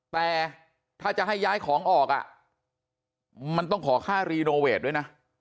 แต่ถ้าจะให้ย้ายของออกมันต้องขอค่ารีโนเวทด้วยนะ